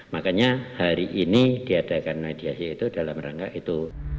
makanya hari ini diadakan mediasi itu dalam rangka itu